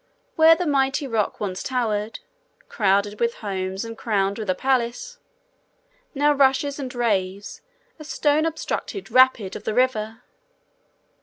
Where the mighty rock once towered, crowded with homes and crowned with a palace, now rushes and raves a stone obstructed rapid of the river.